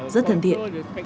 rất thân thiện